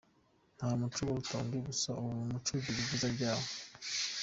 Nta muco uruta undi gusa buri muco ugira ibyiza byawo.